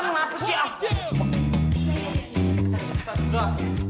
kepetan lapis ya